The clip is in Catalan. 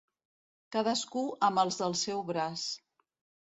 Cadascú amb els del seu braç.